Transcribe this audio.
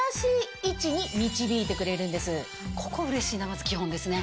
ここうれしいなまず基本ですね。